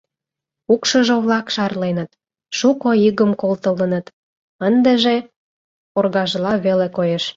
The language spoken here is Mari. Укшыжо-влак шарленыт, шуко игым колтылыныт, ындыже оргажла веле коеш.